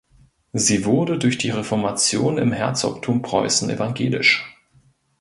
Sie wurde durch die Reformation im Herzogtum Preußen evangelisch.